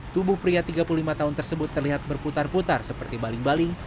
tubuh pria tiga puluh lima tahun tersebut terlihat berputar putar seperti baling baling